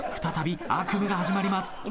再び悪夢が始まります。